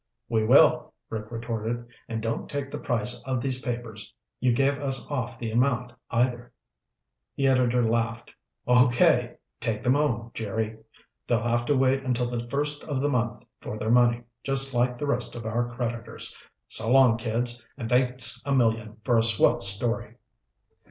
"We will," Rick retorted, "and don't take the price of these papers you gave us off the amount, either." The editor laughed. "Okay. Take them home, Jerry. They'll have to wait until the first of the month for their money, just like the rest of our creditors. So long, kids, and thanks a million for a swell story."